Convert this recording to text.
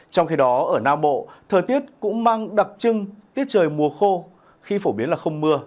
trong khi đó ở nam bộ thời tiết cũng mang đặc trưng tiết trời mùa khô khi phổ biến là không mưa